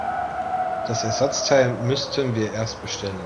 Das Ersatzteil müssten wir erst bestellen.